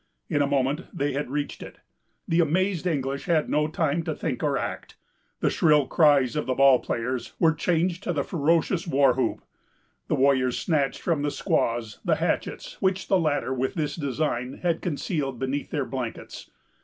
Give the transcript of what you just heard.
In a moment they had reached it. The amazed English had no time to think or act. The shrill cries of the ball players were changed to the ferocious war whoop. The warriors snatched from the squaws the hatchets, which the latter, with this design, had concealed beneath their blankets.